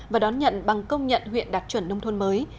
và đón nhận bằng công nhận huyện đạt chuẩn nông thôn mới